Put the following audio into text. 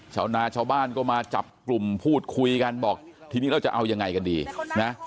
ชาวนาชาวบ้านก็มาจับกลุ่มพูดคุยกันบอกทีนี้เราจะเอายังไงกันดีนะ